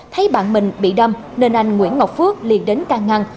thấy bạn mình bị đâm nên anh nguyễn ngọc phước liền đến can ngăn